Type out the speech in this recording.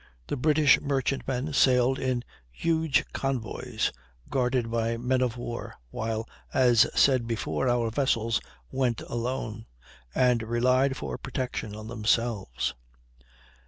The British merchant men sailed in huge convoys, guarded by men of war, while, as said before, our vessels went alone, and relied for protection on themselves.